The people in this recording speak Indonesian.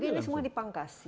jadi ini semua dipangkas